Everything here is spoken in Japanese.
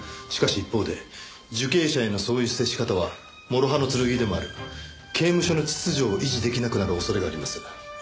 しかし一方で受刑者へのそういう接し方は諸刃の剣でもある。刑務所の秩序を維持出来なくなる恐れがあります。